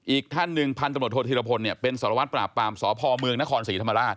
อีกท่านหนึ่งพันตำรวจโทษธิรพลเป็นสารวัตรปราบปรามสพเมืองนครศรีธรรมราช